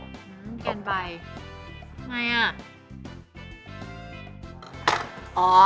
อ๋อแกนใบไม่อ่ะ